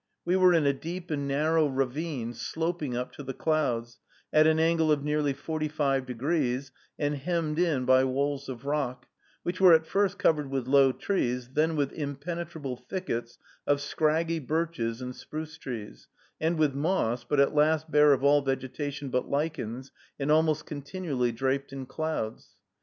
We were in a deep and narrow ravine, sloping up to the clouds, at an angle of nearly forty five degrees, and hemmed in by walls of rock, which were at first covered with low trees, then with impenetrable thickets of scraggy birches and spruce trees, and with moss, but at last bare of all vegetation but lichens, and almost continually draped in clouds.